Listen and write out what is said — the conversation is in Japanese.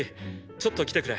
ちょっと来てくれ。